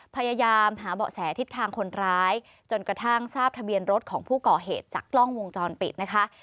พยายามหาเบาะแสทิศทางคนร้ายจนกระทั่งทราบทะเบียนรถของผู้ก่อเหตุจากกล้องวงจรปิดนะคะ